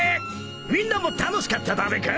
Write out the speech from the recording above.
みんなも楽しかっただべか？